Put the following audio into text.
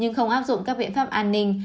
nhưng không áp dụng các biện pháp an ninh